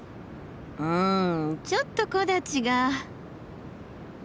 うんちょっと木立が。